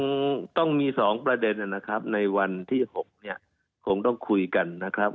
คงต้องมี๒ประเด็นนะครับในวันที่๖เนี่ยคงต้องคุยกันนะครับ